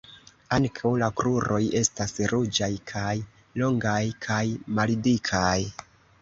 Ankaŭ la kruroj estas ruĝaj kaj longaj kaj maldikaj.